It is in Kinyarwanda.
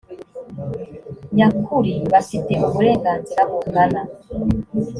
nyakuri bafite uburenganzira bungana